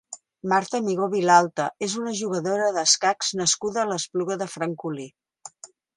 Marta Amigó Vilalta és una jugadora d'escacs nascuda a l'Espluga de Francolí.